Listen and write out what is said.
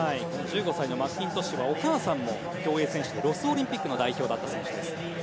１５歳のマッキントッシュはお母さんも競泳選手でロスオリンピックの代表だった選手です。